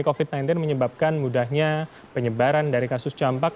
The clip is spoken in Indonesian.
covid sembilan belas menyebabkan mudahnya penyebaran dari kasus campak